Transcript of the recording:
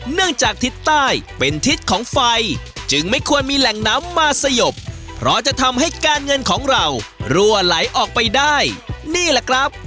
มากขึ้นแล้วแหละครับ